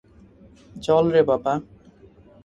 জ্বল রে বাবা।